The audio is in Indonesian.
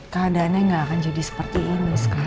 keadaannya nggak akan jadi seperti ini sekarang